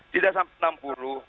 tidak sampai enam puluh